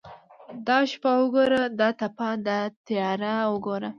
ته دا شپه وګوره دا تپه تیاره وګوره.